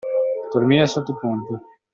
Dormire sotto i ponti.